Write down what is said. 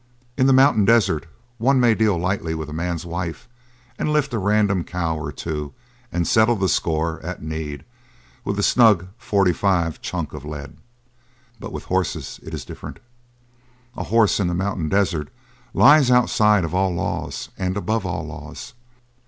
In the mountain desert one may deal lightly with a man's wife and lift a random cow or two and settle the score, at need, with a snug "forty five" chunk of lead. But with horses it is different. A horse in the mountain desert lies outside of all laws and above all laws.